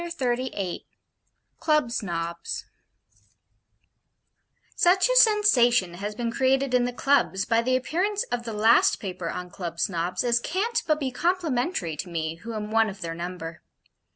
CHAPTER XXXVIII CLUB SNOBS Such a Sensation has been created in the Clubs by the appearance of the last paper on Club Snobs, as can't but be complimentary to me who am one of their number.